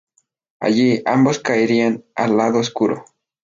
Allí, ambos caerían al lado oscuro.